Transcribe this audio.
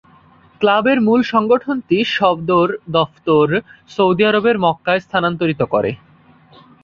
ক্লাবের মূল সংগঠনটি সদর দফতর সৌদি আরবের মক্কায় স্থানান্তরিত করে।